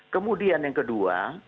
kemudian yang kedua